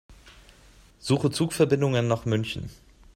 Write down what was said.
Suche Zugverbindungen nach München.